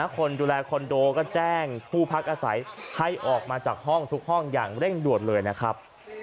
คนดูแลคอนโดก็แจ้งผู้พักอาศัยให้ออกมาจากห้องทุกห้องอย่างเร่งด่วนเลยนะครับ